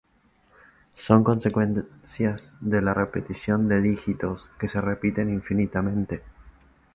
Son secuencias de repetición de dígitos que se repiten infinitamente.